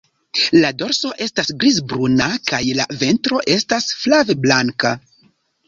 La dorso estas griz-bruna, kaj la ventro estas flav-blanka.